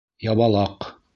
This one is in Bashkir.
— Ябалаҡ!